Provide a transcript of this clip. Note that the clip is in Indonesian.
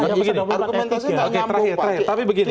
argumentasi nggak nyambung pak oke terakhir tapi begini